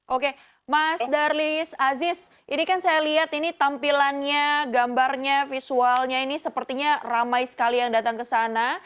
oke mas darlis aziz ini kan saya lihat ini tampilannya gambarnya visualnya ini sepertinya ramai sekali yang datang ke sana